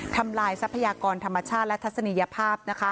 ทำลายทรัพยากรธรรมชาติและทัศนียภาพ